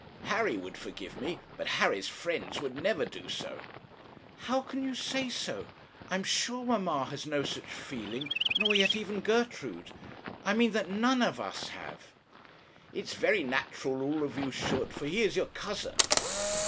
'Harry would forgive me; but Harry's friends would never do so.' 'How can you say so? I am sure mamma has no such feeling, nor yet even Gertrude; I mean that none of us have.' 'It is very natural all of you should, for he is your cousin.'